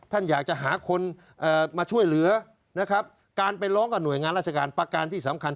ท่านอยากจะหาคนมาช่วยเหลือนะครับการไปร้องกับหน่วยงานราชการประการที่สำคัญ